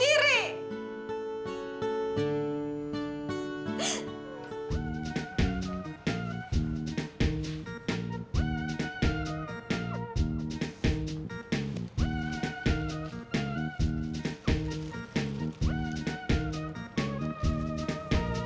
tadi mau ngejahat